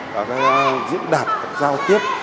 diễn đạt giao tiếp